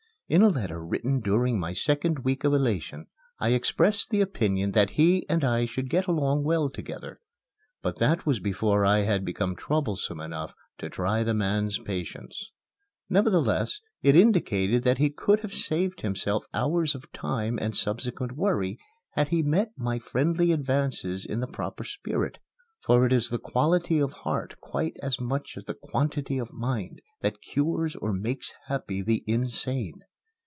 In a letter written during my second week of elation, I expressed the opinion that he and I should get along well together. But that was before I had become troublesome enough to try the man's patience. Nevertheless, it indicates that he could have saved himself hours of time and subsequent worry, had he met my friendly advances in the proper spirit, for it is the quality of heart quite as much as the quantity of mind that cures or makes happy the insane.